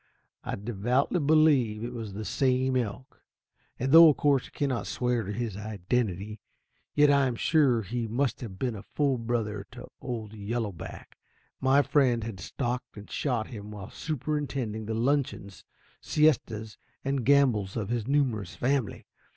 I devoutly believe it was the same elk, and though of course I cannot swear to his identity, yet I am sure he must have been a full brother to old Yellow Back. My friend had stalked and shot him while superintending the luncheons, siestas and gambols of his numerous family.